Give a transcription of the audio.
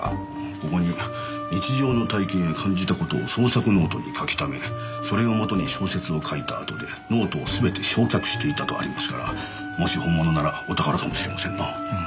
ここに「日常の体験や感じたことを創作ノートに書きためそれを元に小説を書いた後でノートをすべて焼却していた」とありますからもし本物ならお宝かもしれませんな。